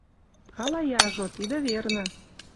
Хала яжо, тидӹ верны